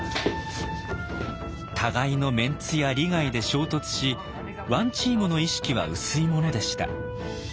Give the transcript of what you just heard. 互いのメンツや利害で衝突しワンチームの意識は薄いものでした。